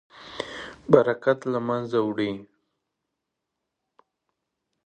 برکت له منځه وړي.